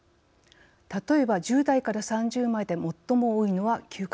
例えば１０代から３０代で最も多いのは嗅覚障害。